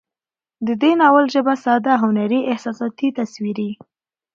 د دې ناول ژبه ساده، هنري، احساساتي، تصويري